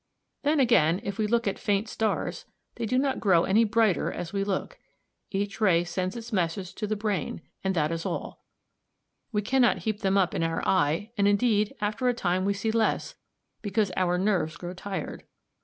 "Then, again, if we look at faint stars, they do not grow any brighter as we look. Each ray sends its message to the brain, and that is all; we cannot heap them up in our eye, and, indeed, after a time we see less, because our nerves grow tired.